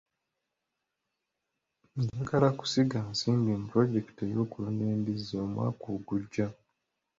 Njagala kusiga nsimbi mu pulojekiti y'okulunda embizzi omwaka ogujja.